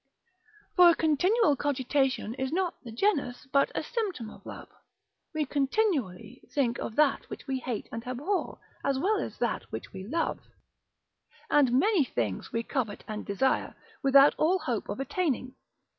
For continual cogitation is not the genus but a symptom of love; we continually think of that which we hate and abhor, as well as that which we love; and many things we covet and desire, without all hope of attaining.